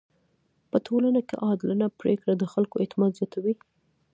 په ټولنه کي عادلانه پریکړه د خلکو اعتماد زياتوي.